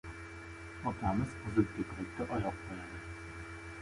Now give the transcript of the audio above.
Otamiz Qizil ko‘krakka oyoq qo‘yadi.